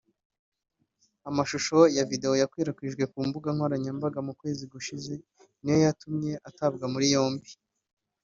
Amashusho ya Video yakwirakwijwe ku mbuga nkoranyambaga mu kwezi gushije niyo yatumye atabwa muri yombi